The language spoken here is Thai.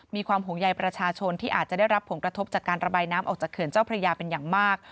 มีความห่วงใยประชาชนที่อาจจะได้รับผลกระทบจากการระบายน้ำออกจากเขื่อนเจ้าพระยาเป็นอย่างมาก